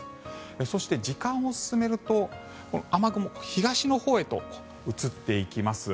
そして時間を進めると雨雲が東のほうへと移っていきます。